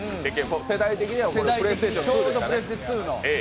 世代的にちょうどプレステ２の。